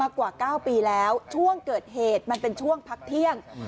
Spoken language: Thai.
กว่า๙ปีแล้วช่วงเกิดเหตุมันเป็นช่วงพักเที่ยง